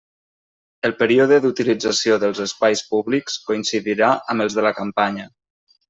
El període d'utilització dels espais públics coincidirà amb els de la campanya.